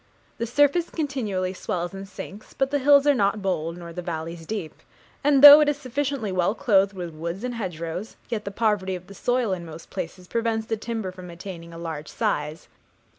The surface continually swells and sinks, but the hills are not bold, nor the valleys deep; and though it is sufficiently well clothed with woods and hedgerows, yet the poverty of the soil in most places prevents the timber from attaining a large size.